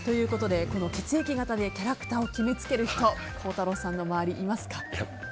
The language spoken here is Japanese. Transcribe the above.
血液型でキャラクターを決めつける人孝太郎さんの周りいますか？